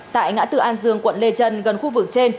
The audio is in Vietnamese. tại ngã tư an dương quận lê trân gần khu vực trên